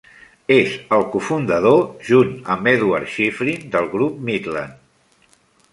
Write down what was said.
És el cofundador, junt amb Eduard Shifrin, del Grup Midland.